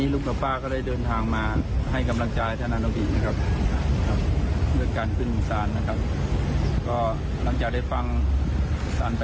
สารมิภาคสาร